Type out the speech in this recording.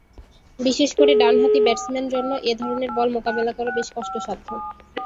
বিশেষ করে ডানহাতি ব্যাটসম্যান জন্য এ ধরনের বল মোকাবেলা করা বেশ কষ্টসাধ্য।